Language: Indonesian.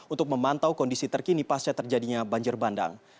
untuk memantau kondisi terkini pasca terjadinya banjir bandang